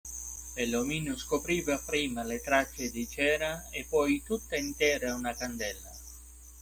E l'omino scopriva prima le tracce di cera e poi tutta intera una candela!